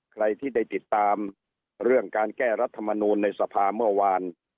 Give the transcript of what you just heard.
ใครที่ได้ติดตามเรื่องการแก้รัฐมนูลในสภาเมื่อวาน